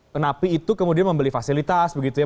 penapi itu kemudian membeli fasilitas begitu ya